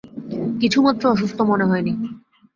কিছুমাত্র অসুস্থ মনে হয় নি।